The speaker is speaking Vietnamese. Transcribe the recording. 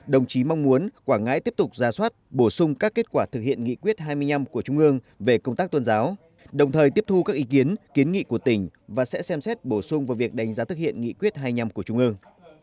đồng chí mong muốn quảng ngãi tiếp tục ra soát bổ sung các kết quả thực hiện nghị quyết hai mươi năm của trung ương về công tác tôn giáo đồng thời tiếp thu các ý kiến kiến nghị của tỉnh và sẽ xem xét bổ sung vào việc đánh giá thực hiện nghị quyết hai mươi năm của trung ương